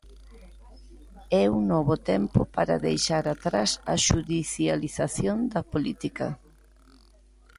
É un novo tempo para deixar atrás a xudicialización da política.